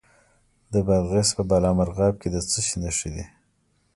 د بادغیس په بالامرغاب کې د څه شي نښې دي؟